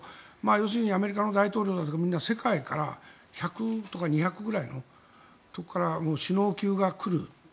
要するにアメリカの大統領だとかみんな世界から１００とか２００ぐらいのところから首脳級が来る。